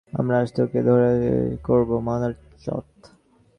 আমরা আজ তোকে ধরাশায়ী করবো, মাদারচোত।